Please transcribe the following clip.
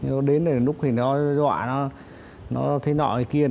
nó đến là lúc thì nó dọa nó nó thấy nợ ở kia